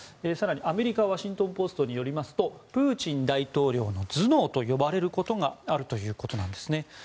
更にアメリカのワシントン・ポストによりますとプーチン大統領の頭脳と呼ばれることがあるということなんですね。